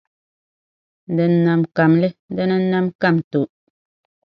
Din nam kamli, dina n-nam kamtoo.